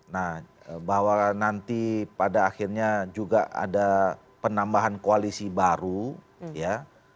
nah bahwa nanti pada akhirnya juga ada penambahan koalisi baru ya